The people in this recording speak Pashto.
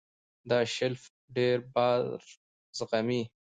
دا شیلف ډېر بار زغمي.